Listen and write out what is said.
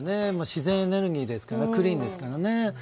自然エネルギーですからねクリーンですからね。